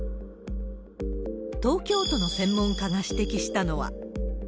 東京都の専門家が指摘したのは。